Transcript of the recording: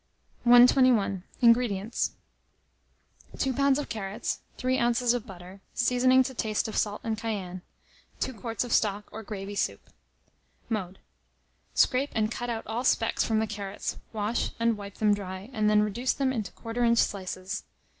121. INGREDIENTS. 2 lbs. of carrots, 3 oz. of butter, seasoning to taste of salt and cayenne, 2 quarts of stock or gravy soup. Mode. Scrape and cut out all specks from the carrots, wash, and wipe them dry, and then reduce them into quarter inch slices.